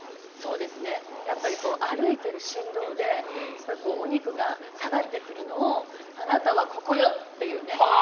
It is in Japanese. そうですね、歩いている振動でお肉が下がってくるのをあなたはここよ！っていうね。